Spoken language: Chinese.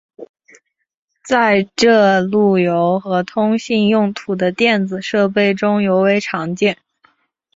这在路由和通信用途的电子设备中尤为常见。